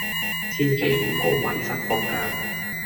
千祈唔好迷失方向